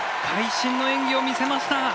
会心の演技を見せました。